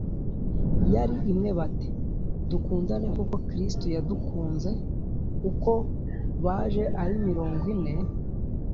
yari imwe bati :« dukundane nk’uko kristu yadukunze ». uko baje ari mirongo ine